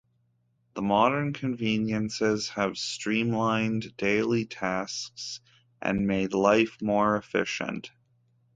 The modern conveniences have streamlined daily tasks and made life more efficient.